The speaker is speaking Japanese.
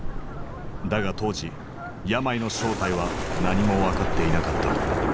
だが当時病の正体は何も分かっていなかった。